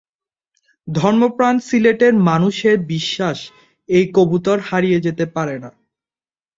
ধর্মপ্রাণ সিলেটের মানুষের বিশ্বাস- এই কবুতর হারিয়ে যেতে পারে না।